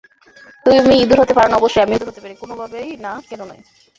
তুমি ইঁদুর হতে পারোনা অবশ্যই আমি ইঁদুর হতে পারি কোনোভাবেই না কেনো নয়?